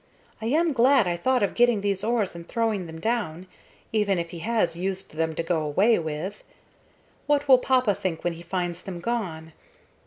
I am glad I thought of getting these oars and throwing them down, even if he has used them to go away with. What will papa think when he finds them gone?